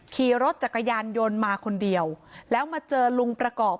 ขี่รถจักรยานยนต์มาคนเดียวแล้วมาเจอลุงประกอบ